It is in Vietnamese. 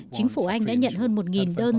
chính phủ anh đã nhận hơn một đơn